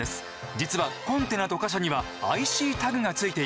実はコンテナと貨車にはＩＣタグがついているんです。